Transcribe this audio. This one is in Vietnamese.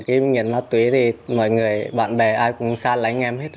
khi nghiện ma túy thì mọi người bạn bè ai cũng xa lánh em hết